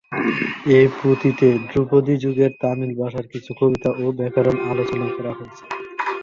এই পুঁথিতে ধ্রুপদী যুগের তামিল ভাষার কিছু কবিতা ও ব্যাকরণ আলোচনা করা হয়েছে।